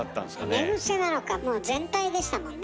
あれ寝癖なのかもう全体でしたもんね。